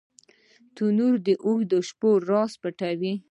تنور د اوږدو شپو راز پټوي